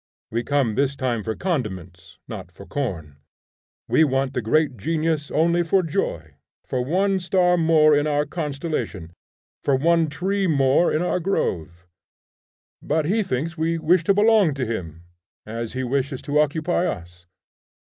We came this time for condiments, not for corn. We want the great genius only for joy; for one star more in our constellation, for one tree more in our grove. But he thinks we wish to belong to him, as he wishes to occupy us.